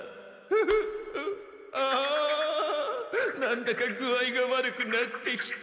あなんだか具合が悪くなってきた。